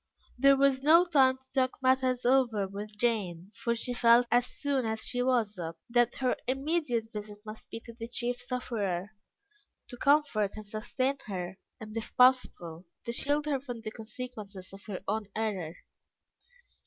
There was no time to talk matters over with Jane, for she felt, as soon as she was up, that her immediate visit must be to the chief sufferer, to comfort and sustain her and, if possible, to shield her from the consequences of her own error.